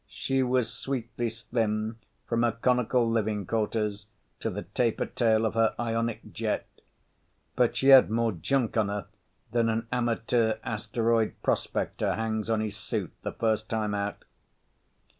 She was sweetly slim from her conical living quarters to the taper tail of her ionic jet, but she had more junk on her than an amateur asteroid prospector hangs on his suit the first time out.